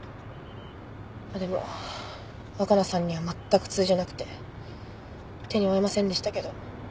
でも若菜さんにはまったく通じなくて手に負えませんでしたけど。